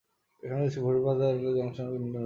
এখানে রয়েছে Bhairab Bazar railway junction ও ভৈরব নদী বন্দর।